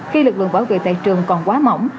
khi lực lượng bảo vệ tại trường còn quá mỏng